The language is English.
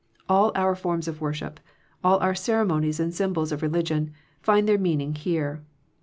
All our forms of worship, all our ceremonies and symbols of religion, find their meaning here.